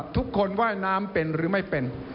ทุกคนว่ายน้ำเป็นหรือไม่เป็น